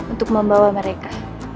untuk membawa mereka